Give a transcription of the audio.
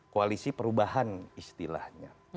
koalisi perubahan istilahnya